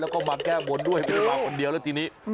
แล้วก็มาแก้บนด้วยไม่ได้มาคนเดียวแล้วทีนี้